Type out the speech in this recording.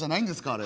あれ。